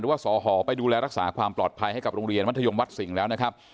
ว่าสอหอไปดูแลรักษาความปลอดภัยให้กับโรงเรียนมัธยมวัดสิงห์แล้วนะครับ